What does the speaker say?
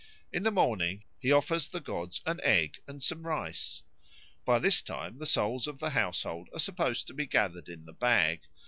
In the morning he offers the gods an egg and some rice. By this time the souls of the household are supposed to be gathered in the bag.